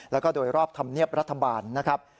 แล้วก็โดยรอบธรรมเนียบรัฐบาลนะครับ